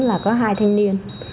là có hai thanh niên